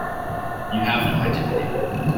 You have no identity.